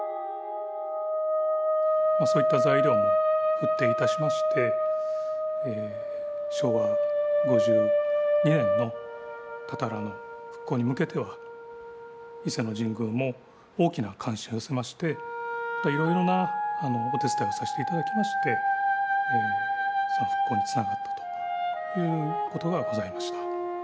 そういった材料も払底いたしまして昭和５２年のたたらの復興に向けては伊勢の神宮も大きな関心を寄せましていろいろなお手伝いをさせていただきましてその復興につながったということがございました。